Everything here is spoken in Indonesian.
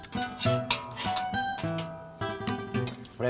pak rima ojak